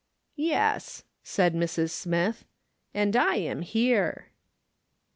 " Yes," said Mrs. Smith, " and I am here."